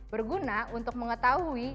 berguna untuk mengetahui